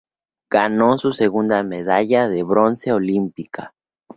Ganó su segunda medalla de bronce olímpica.